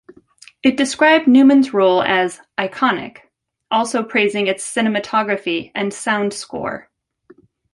It described Newman's role as "iconic," also praising its cinematography and sound score.